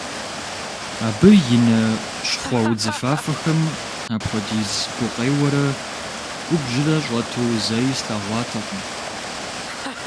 Абы и нэ щхъуэ-удзыфафэхэм апхуэдиз гукъеуэрэ губжьрэ щӀэту зэи слъэгъуатэкъым.